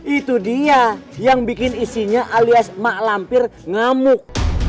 itu dia yang bikin isinya alias mak lampir ngamuk